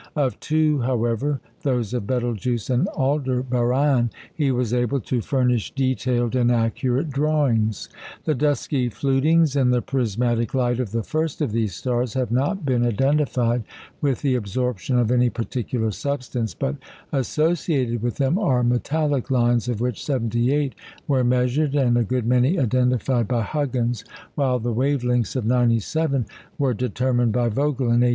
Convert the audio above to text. Of two, however those of Betelgeux and Aldebaran he was able to furnish detailed and accurate drawings. The dusky flutings in the prismatic light of the first of these stars have not been identified with the absorption of any particular substance; but associated with them are metallic lines, of which 78 were measured, and a good many identified by Huggins, while the wave lengths of 97 were determined by Vogel in 1871.